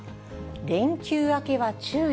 連休明けは注意。